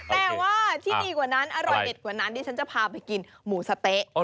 แต่ว่าที่ดีกว่านั้นอร่อยเด็ดกว่านั้นดิฉันจะพาไปกินหมูสะเต๊ะ